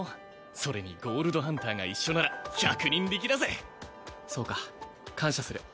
それにゴールドハンターが一緒なら百人力だぜそうか感謝する